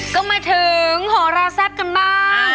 ก็มาถึงโหราแซ่บกันบ้าง